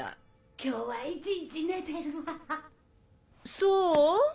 ・今日は一日寝てるわ・そお？